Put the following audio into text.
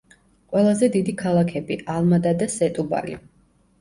ყველაზე დიდი ქალაქები: ალმადა და სეტუბალი.